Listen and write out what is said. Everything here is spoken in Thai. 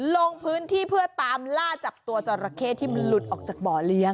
ลงพื้นที่เพื่อตามล่าจับตัวจราเข้ที่มันหลุดออกจากบ่อเลี้ยง